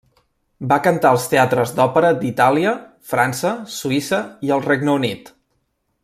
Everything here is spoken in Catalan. Va cantar als teatres d'òpera d'Itàlia, França, Suïssa i el Regne Unit.